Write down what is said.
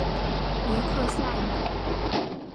梅克赛姆。